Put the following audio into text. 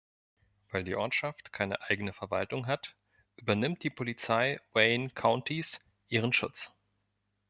Weil die Ortschaft keine eigene Verwaltung hat, übernimmt die Polizei Wayne Countys ihren Schutz.